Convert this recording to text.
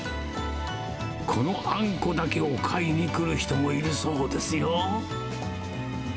このあんこだけを買いに来る人もいるそうですよ。